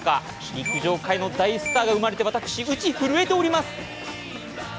陸上界の大スターが生まれて私、打ち震えてございます。